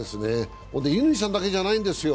乾さんだけじゃないんですよ。